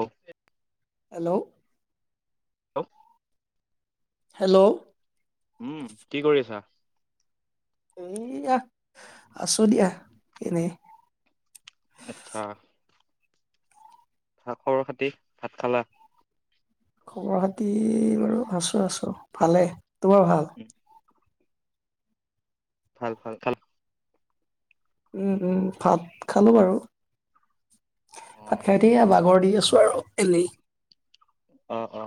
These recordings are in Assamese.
অ'কে। হেল্ল'। হেল্লও। হেল্ল'। উম্, কি কৰি আছা? এইয়া, আছোঁ দিয়া এনেই। আচ্ছা। খা খবৰ-খাতি, ভাত খালা? খবৰ-খাতি বাৰু আছো আছো, ভালেই। তোমাৰ ভাল? উম, ভাল ভাল। খাল উম্ উম্, ভাত খালো বাৰু। অ ভাত খাই উঠি এইয়া বাগৰ দি আছো আৰু এনেই। অ' অ',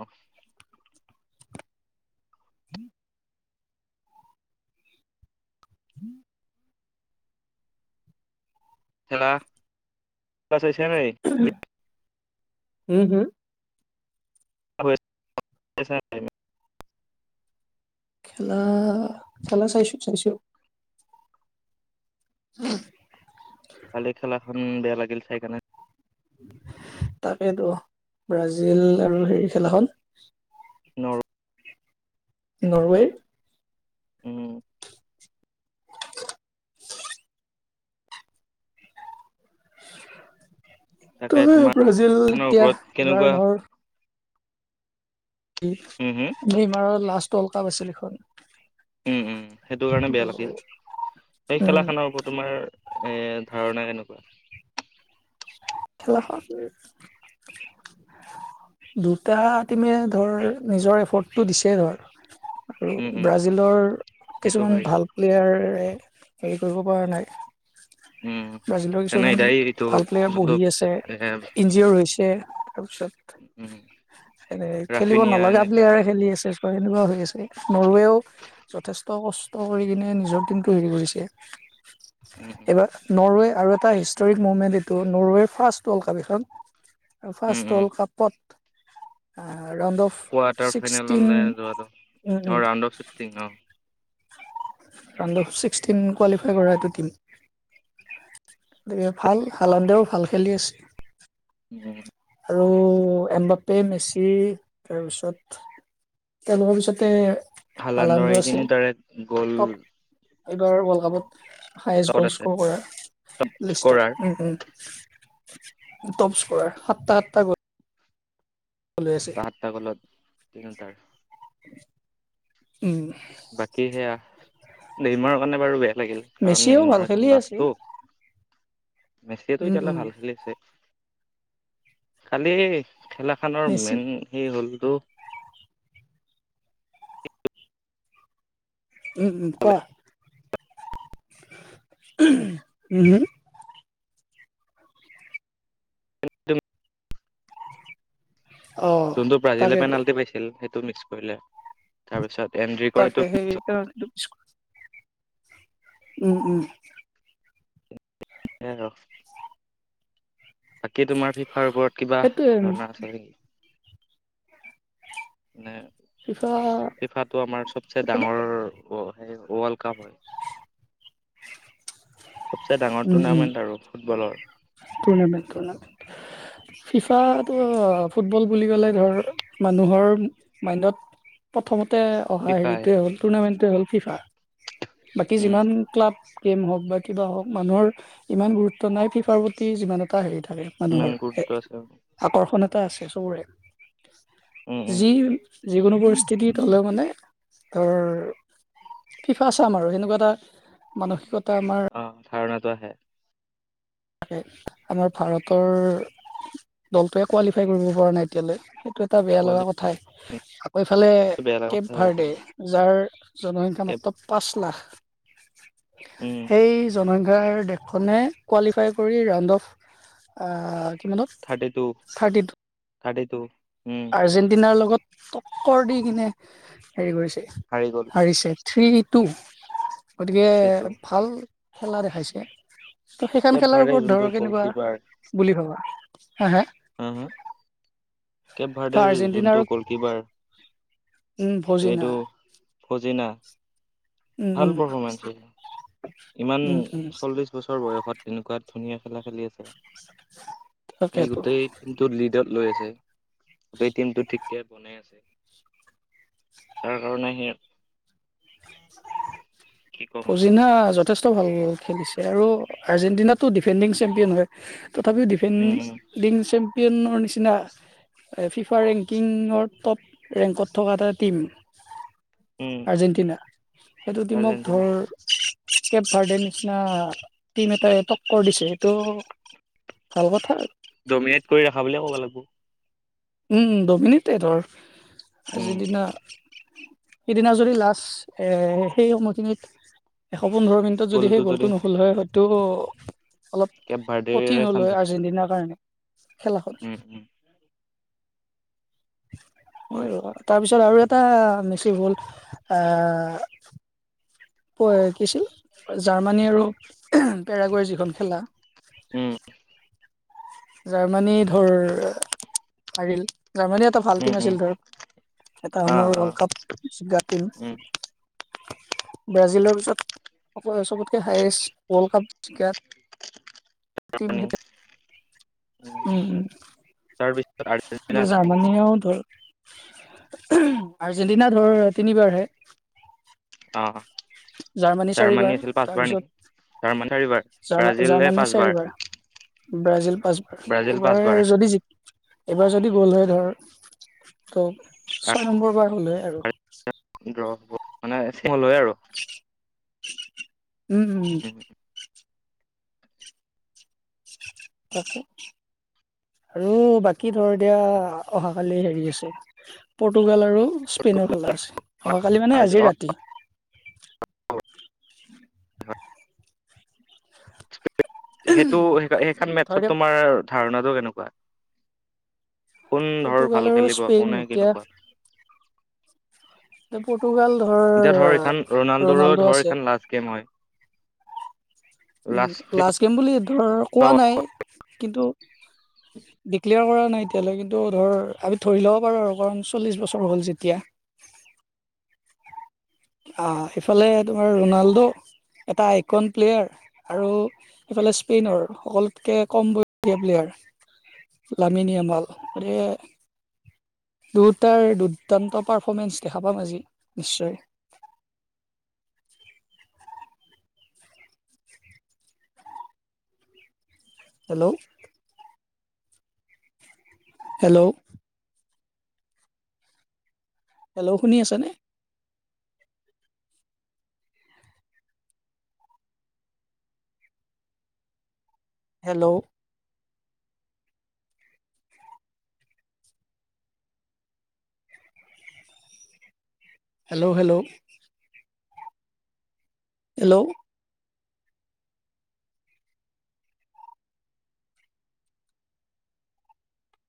উম মেলা চাইছা নাই। উম্ হু। খেলা, খেলা চাইছোঁ চাইছোঁ। উম্। উম্, বেয়া লাগিল চাই কেনে। তাকেইতো ব্ৰাজিল আৰু হেৰি খেলাখন। নৰ নৰৱেই। উম তাকে তোহে তোমাৰ ব্ৰাজিল খনৰ এতিয়া, ওপৰত এবাৰ কেনেকুৱা ধৰ দি, উম হম দিমাৰৰ লাষ্ট ৱৰ্ল্ড কাপ আছিল এইখন উম্, উম্, সেইটো কাৰণে বেয়া লাগিল। এই উম খেলাখনৰ ওপৰত তোমাৰ এ ধাৰণা এনেকুৱা খেলাখন দুটা টিমে ধৰ, নিজৰ এফৰ্টটো দিছে ধৰ আৰু উম উম ব্ৰাজিলৰ সেইটো কিছুমান হয় ভাল প্লেয়াৰে হেৰি কৰিব পৰা নাই উম ব্ৰাজিলৰ তেনে কিছুমান এটাই এইটো ভাল প্লেয়াৰ যোনটো বহি আছে, এ ইনজিঅ'ৰ হৈছে। তাৰপিছত, উম সেই খেলিব ৰাফিনিয়া নলগা এনেকা প্লেয়াৰে এনেকুৱা খেলি আছে। লোৱা হৈ আছে, নুৰুৱেও যথেষ্ট কষ্ট কৰি কিনে নিজৰ টীমটো হেৰি কৰিছে। উম্, উম্, নুৰুৱে আৰু এটা হিষ্টৰিক মুভমেণ্ট এইটো, নুৰুৱেৰ ফাৰ্ষ্ট ৱৰ্ল্ড কাপ এইখন। উম ফাৰ্ষ্ট উম ৱৰ্ল্ড কাপত এ আ ৰাউণ্ড অফ কোৱাৰ্টাৰ ছিক্সটিন ফাইনেললৈ যোৱাটো অ উম্। ৰাউণ্ড অফ ছিক্সটিন অ ৰাউণ্ড অফ ছিক্সটিন কোৱালিফাই কৰা এইটো টিম গতিকে, ভাল হালাণ্ডেউ ভাল খেলি আছে। আৰু এন বাপে মেচ ই তাৰপিছত, তেওঁলোকৰ পিছতে হালাণ্ডৰ হালান্দো এই আছে তিনিতাৰে টপ, এইবাৰ ৱৰ্ল্ড কাপত হায়ষ্ট তপত গ'ল আছে স্ক'ৰ কৰা। টপ স্কৰাৰ লিষ্টত, উম্ উম্, টপ স্কৰাৰ সাতটা সাতটা গ সাতটা সাতটা গলত, তিনিওটাৰ। উম বাকী সেয়া নেইমাৰৰ কাৰণে বাৰু বেয়া লাগিল, কাৰণ মেচিও ভাল নেমাৰৰ খেলি এখন আছে লাষ্টটো মেচিয়েটো উম এতিয়ালে উম ভাল খেলি আছে, কালি খেলাখনৰ মেচি মেইন সেই হ'লতটো উ, কোৱা উ, ম অ যোনটো ব্ৰাজিলে তাকেতো পেনাল্টি পাইছিল সেইটো মিক্স কৰিলে তাৰপিছত এণ্ট্ৰি কৰে তাকে সেই উম, উম, স ৰ বাকী তোমাৰ ফিফাৰ ওপৰত কিবা সেইটোৱে ধাৰণা আছে নেকি? মানে ফিফা ফিফাটো আমাৰ চবচে ডাঙৰ ৱল ক্লাব হয়। চবচে ডাঙৰ টুৰ্ণামেণ্ট আৰু ফুটবলৰ। টৰ্ণামেণ্ট টৰ্ণামেণ্ট [unintelligible] ফিফাটো ফুটবল বুলি ক'লে ধৰ মানুহৰ মাইণ্ডত প্ৰথমত অহা ফিফাই হেৰিটয়ে হ'ল টুৰ্ণামেণ্টে হ'ল ফিফা বাকী উম যিমান ক্লাব গেম হওক বা কিবা হওক মানুহৰ ইমান গুৰুত্ব নাই ফিফাৰ প্ৰতি যিমান এটা হেৰি থ থাকে কিমান মানুহৰ গুৰুত্ব আছে উম আকৰ্ষণ এ আছে চবৰে উম যি যিকোনো পৰিস্থিতিত হ'লেও মানে ধৰ ফিফা চাম আৰু সেনেকুৱা এটা মানসিকতা আমাৰ অ ধাৰণাটো আহে। তাকে আমাৰ ভাৰতৰ দলটোৱে কোৱালিফাই কৰিব পৰা নাই এতিয়ালৈ সেইটো এটা বেয়া কোৱালি লগা কথাই এইফালে বেয়া কথা কেব হৈছে ভাৰ্ডে যাৰ জনসংখ্যা মাত্ৰ পাঁচ লাখ,। উম সেই জনসংখ্যা দেশখনে কোৱালিফাই, কৰি ৰাউণ্ড অফ কিমানত থাৰ্টি টু কাটি তো'। আৰ্জেণ্টিনাৰ লগত টক্কৰ দি কিনে হেৰি কৰিছে হাৰি গ'ল হাৰিছে। থ্ৰী টু গতিকে থ্ৰী টু ভাল খেলা দেখাইছে। ত' সেইখন কেব খেলাৰ ভাৰ্ডে ওপৰত যোনটো ধৰ কেনেকুৱা গ'লকিপাৰ বুলি ভাবা হা-হা? হ হ কেব ত ভাৰ্টিৰ আৰ্জেণ্টিনাৰ যোনটো গলকিপাৰ উম, ভজি এইটো নাই। ফজিনা ভাল উম পাৰফৰ্মেন্সছিল ইমান উম উম চল্লিশ বছৰ বয়সত তেনেকুৱা ধুনীয়া খেলা খেলি আছে,। সই তাকেতো গোটেই টিমটো লিডত লৈ আছে,। গোটেই টিমটো ঠিক বনাই আছে'। তাৰ কাৰণে সি ফজিনা যথেষ্ট ভাল খেলিছে আৰু আৰ্জেণ্টিিনটো ডিফেণ্ডিং চেম্পিয়ন হয়। তথাপিও ডিফেন উম উম লিং চেম্পিয়নৰ নিচিনা,। ফিফা ৰেংকিঙৰত ৰেংকত থকা এটা টিম,। উম আৰ্জেণ্টিনা সেইটো টিমক আৰ্জেণ্টিনা ধৰ কেব ভাৰ্ডে নিচিনা টিম এটাই টক্কৰ দিছে এইটো, কাল কথা, ডমিনেট কৰি ৰখা বুলিয়ে ক'ব লাগিব। উম, ডমিনেটেডৰ উম আৰ্জে দিনা সিদিনা যদি লাষ্ট এ সেই সময়খিনিত অ, পোন্ধৰ মিনিটত যদি সেই গ'লটো নহ'ল হয় হয়তো অলপ কেব ভাৰ্ডেৰে কঠিন হল চান্স হয় আছিল আৰ্জেণ্টিনাৰ কাৰণে খেলাখন। উম উম হয় তাৰপিছত আৰু এটা মেচি হ'ল এ, কিছিল জাৰ্মানী আৰু পেৰাগৰ যিখন খেলা,। উম জাৰ্মানী ধৰ পাৰিল। জাৰ্মানী এটা ভাল উম টীম উম আছিল ধৰক। এটা অ সমৰ অ ৱৰ্ল্ড কাপ জিকা টীম উম ব্ৰাজিলৰ [unintelligible] [unintelligible] চবতকে হায়েষ্ট ৱৰ্ল্ড কাপ জিকাত। তিমি পানী। হতেঁ উম উম-উম। তাৰপিছত আৰ্জেণ্টিনা আজি আছে নেকি জাৰ্মানী আউট হ'ল। [unintelligible] আৰ্জেণ্টিনা ধৰ তিনিবাৰহে। অ,। জাৰ্মানী চাৰিবাৰ আছিল পাঁচবাৰ নেকি জাৰ্মানী চাৰিবাৰ তাৰপিছত জাৰমা ব্ৰাজিলে জাৰ্মানীৰ পাঁচবাৰ চাৰিবাৰ। ব্ৰাজিল পাঁচবাৰ ব্ৰাজিল পাঁচবাৰ এইবাৰ। যদি জিক এইবাৰ যদি গল হয় ধৰ ত' ছয় নম্বৰ বাৰ হ'লহে আৰু। [unintelligible] মানে চল হয় আৰু। উম, উম, উম। তাকে আৰু বাকী ধৰ এতিয়া অহাকালি হেৰি আছে, পৰ্তুগাল আৰু স্পেইনৰ খেলা আছে, অহাকালি মানে আজি ৰাতি। সেটো সে সেইখন ধৰ মেটছত এতিয়া তোমাৰ ধাৰণাটো কেনেকুৱা? কোন ধৰ পৰ্টুগাল ভাল আৰু খেলিব স্পেইন কোনে এতিয়া কেনেকুৱা? ৰ্টুগাল এতিয়া ধৰ এইখন ধৰ-ৰ ৰনাল্ডোৰো ৰনাল্ডো ধৰ আছে। এইখন লাষ্ট গেম হয় উম, লাষ্ট গেম বুলি ধৰ কোৱাঁ নাই কিন্তু ডিক্লেয়াৰ কৰা নাই। তিয়ালৈ কিন্তু ধৰ, আমি থৰি ল'ব পাৰোঁ আৰু কাৰণ চল্লিশ বছৰ হ'ল যেতিয়া। আ' সেফালে তোমাৰ ৰনাল্ডো। এটা আইকন প্লেয়াৰ। আৰু সেফালে স্পেইনৰ সকলোতকে কম বয় [unintelligible] প্লেয়াৰ। লামিনিয়মাল [unintelligible] দুটাৰ দুৰ্দান্ত পাৰফৰ্মেন্স দেখা পাম আজি নিশ্চয়। আ হেল্ল'। হেল্ল'। হেল্ল' শুনি আছা নে? হেল্ল'। Hello, hello. হেল্ল'।